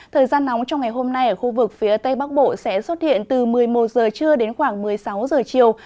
thời gian nóng trong ngày hôm nay ở khu vực phía tây bắc bộ sẽ xuất hiện từ một mươi một giờ trưa đến khoảng một mươi sáu giờ chiều